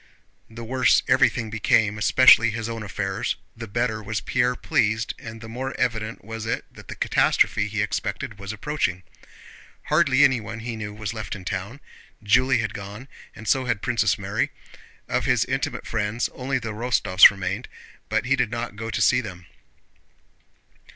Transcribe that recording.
The worse everything became, especially his own affairs, the better was Pierre pleased and the more evident was it that the catastrophe he expected was approaching. Hardly anyone he knew was left in town. Julie had gone, and so had Princess Mary. Of his intimate friends only the Rostóvs remained, but he did not go to see them.